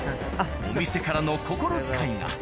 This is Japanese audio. お店からの心遣いが。